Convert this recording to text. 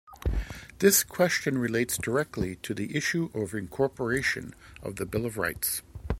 This question relates directly to the issue of incorporation of the Bill of Rights.